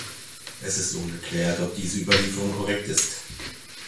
Es ist ungeklärt, ob diese Überlieferung korrekt ist.